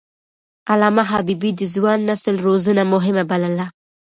علامه حبيبي د ځوان نسل روزنه مهمه بلله.